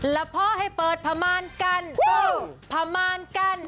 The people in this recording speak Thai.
แล้วพ่อให้เปิดพอมานกัน